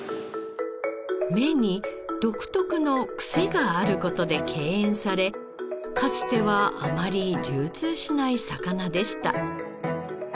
目に独特のクセがある事で敬遠されかつてはあまり流通しない魚でした。